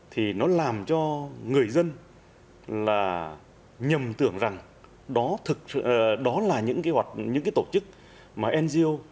thì nó làm cho người dân nhầm tưởng rằng đó là những tổ chức ngo